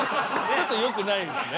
ちょっとよくないですね。